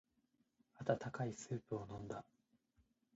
温かいスープを飲んだ。